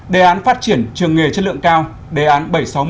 sáu đề án phát triển trường nghề chất lượng cao đề án bảy trăm sáu mươi một